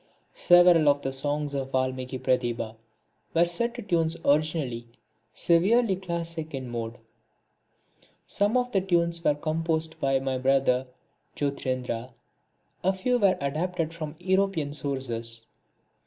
Several of the songs of Valmiki Pratibha were set to tunes originally severely classic in mode; some of the tunes were composed by my brother Jyotirindra; a few were adapted from European sources.